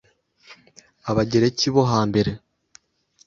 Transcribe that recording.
Abagereki bo ha mbere